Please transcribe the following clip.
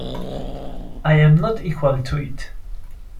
I am not equal to it.